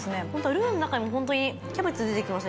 ルーの中にホントにキャベツ出てきました